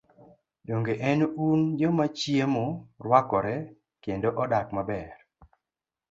Donge en un joma chiemo, rwakore kendo odak maber?